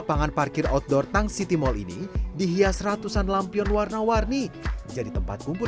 pangan parkir outdoor tangsiti mall ini dihias ratusan lampion warna warni jadi tempat kumpul